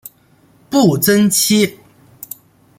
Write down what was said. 步曾槭